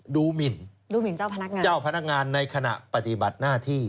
ดูหมิ่นเจ้าพนักงานในขณะปฏิบัติหน้าที่